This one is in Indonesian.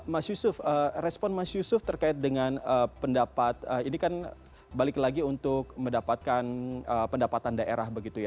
mas yusuf respon mas yusuf terkait dengan pendapat ini kan balik lagi untuk mendapatkan pendapatan daerah begitu ya